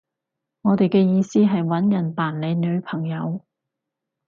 我哋嘅意思係搵人扮你女朋友